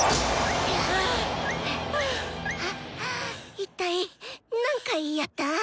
一体何回やったぁ？